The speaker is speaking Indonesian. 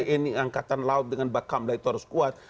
ini angkatan laut dengan bakam itu harus kuat